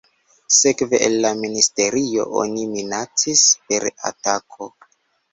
Sekve el la ministerio oni minacis per atako.